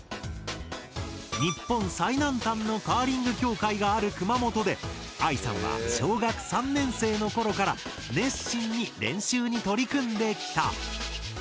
日本最南端のカーリング協会がある熊本であいさんは小学３年生のころから熱心に練習に取り組んできた。